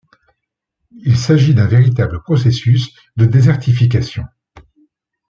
Il s'agit d'un véritable processus de désertification.